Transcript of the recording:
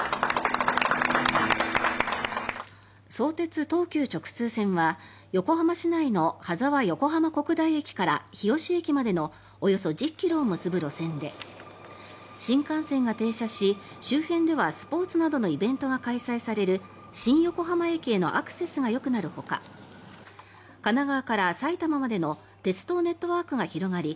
相鉄・東急直通線は横浜市内の羽沢横浜国大駅から日吉駅までのおよそ１０ｋｍを結ぶ路線で新幹線が停車し周辺ではスポーツなどのイベントが開催される新横浜駅へのアクセスがよくなるほか神奈川から埼玉までの鉄道ネットワークが広がり